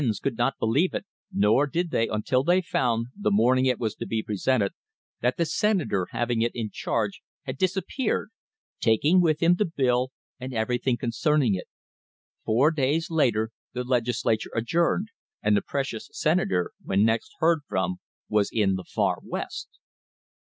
THE HISTORY OF THE STANDARD OIL COMPANY could not believe it, nor did they until they found, the morn ing it was to be presented, that the Senator having it in charge had disappeared, taking with him the bill and every thing concerning it. Four days later the Legislature adjourned, and the precious Senator, when next heard from, was in the far West!